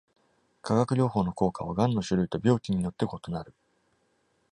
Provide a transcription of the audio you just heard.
化学療法の効果はがんの種類と病期によって異なる。